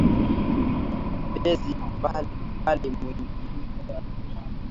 Bezi bali mwingilia leo munyumba yake